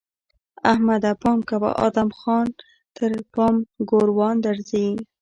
احمده! پام کوه؛ ادم خان تر پام ګوروان درځي!